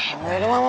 jangan turun lagi lu